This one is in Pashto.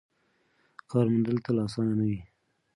کار موندل تل اسانه نه وي.